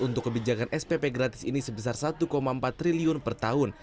untuk kebijakan spp gratis ini sebesar satu empat triliun per tahun